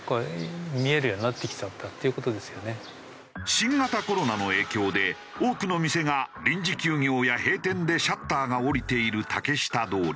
新型コロナの影響で多くの店が臨時休業や閉店でシャッターが下りている竹下通り。